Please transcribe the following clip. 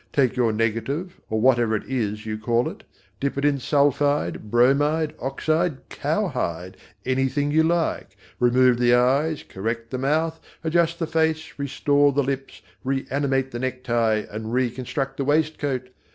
Take your negative, or whatever it is you call it, dip it in sulphide, bromide, oxide, cowhide, anything you like, remove the eyes, correct the mouth, adjust the face, restore the lips, reanimate the necktie and reconstruct the waistcoat.